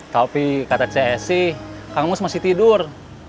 tapi kata csi kang mus masih tidur